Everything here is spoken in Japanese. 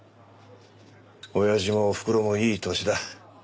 おやじもおふくろもいい年だ。